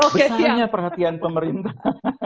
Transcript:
besarnya perhatian pemerintah